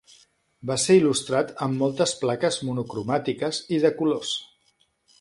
Va ser il·lustrat amb moltes plaques monocromàtiques i de colors.